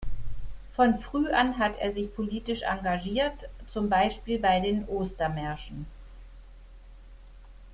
Von früh an hat er sich politisch engagiert, zum Beispiel bei den Ostermärschen.